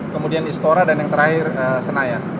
kemudian istora dan yang terakhir senayan